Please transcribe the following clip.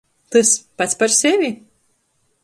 Tys – pats par sevi!